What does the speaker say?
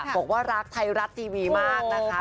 บอกว่ารักไทยรัฐทีวีมากนะคะ